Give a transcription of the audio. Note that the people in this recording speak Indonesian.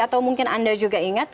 atau mungkin anda juga ingat